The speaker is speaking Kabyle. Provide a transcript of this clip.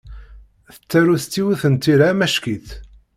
Tettaru s yiwet n tira amack-itt.